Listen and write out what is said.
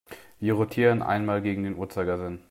Wir rotieren einmal gegen den Uhrzeigersinn.